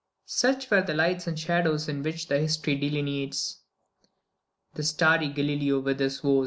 Such were the lights and shadows in which history delineates "The starry Galileo with his woes."